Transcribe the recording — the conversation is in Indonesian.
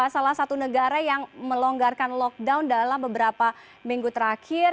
salah satu negara yang melonggarkan lockdown dalam beberapa minggu terakhir